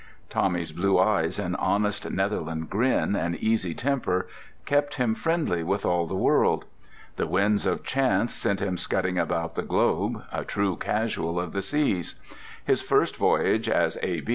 Tommy's blue eyes and honest Netherland grin and easy temper kept him friendly with all the world. The winds of chance sent him scudding about the globe, a true casual of the seas. His first voyage as A.